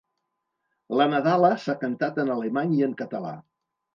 La nadala s’ha cantat en alemany i en català.